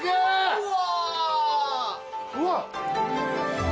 うわ。